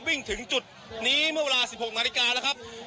วิ่งถึงจุดนี้เมื่อเวลา๑๖นาฬิกาแล้วครับ